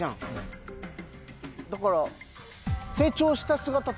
だから。